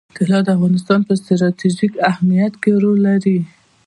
طلا د افغانستان په ستراتیژیک اهمیت کې رول لري.